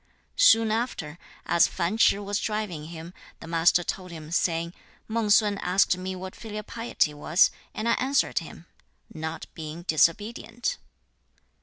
2. Soon after, as Fan Ch'ih was driving him, the Master told him, saying, 'Mang sun asked me what filial piety was, and I answered him, "not being disobedient."'